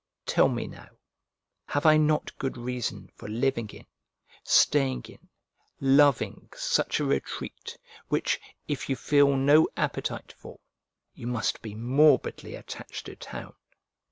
Tell me, now, have I not good reason for living in, staying in, loving, such a retreat, which, if you feel no appetite for, you must be morbidly attached to town?